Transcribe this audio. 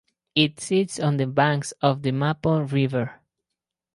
It sits on the banks of the Maple River.